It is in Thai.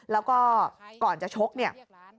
แล้วก็ก่อนจะชกเนี่ย